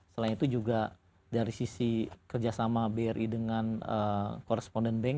selain itu juga dari sisi kerjasama bri dengan koresponden bank